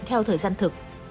theo tiêu chuẩn